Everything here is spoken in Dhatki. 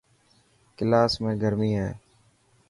ڪلاس ۾ گرمي هي.